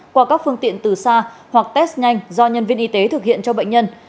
qua các phương tiện từ xa hoặc test nhanh do nhân viên y tế thực hiện cho bệnh nhân